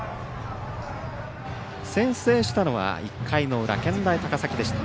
先制したのは１回の裏健大高崎でした。